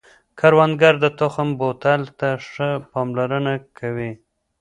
کروندګر د تخم بوتل ته ښه پاملرنه کوي